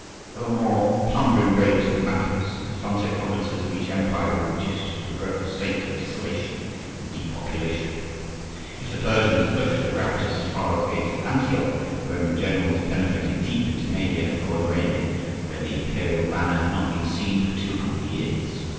There were more plundering raids than battles, and the frontier provinces of each empire were reduced to a dreadful state of desolation and depopulation: if the Persians pushed their ravages as far as the gates of Antioch, Roman generals penetrated deep into Media and Corduene, where the imperial banner had not been seen for two hundred years.